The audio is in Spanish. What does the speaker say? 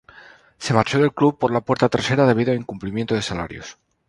Se marchó del club por la puerta trasera debido a incumplimiento de salarios.